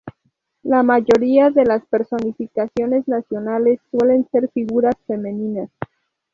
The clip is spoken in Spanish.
La mayoría de las personificaciones nacionales suelen ser figuras femeninas.